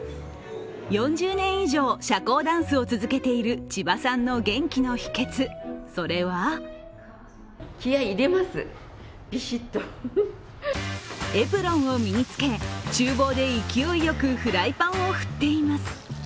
４０年以上、社交ダンスを続けている千葉さんの元気の秘けつ、それはエプロンを身につけ、ちゅう房で勢いよくフライパンを振っています。